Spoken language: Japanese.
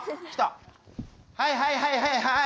はいはいはいはいはい。